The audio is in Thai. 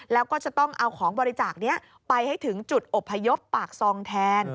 แล้วก็จะต้องเอาของบริจาคนี้ไปให้ถึงจุดอบพยพปากซองแทน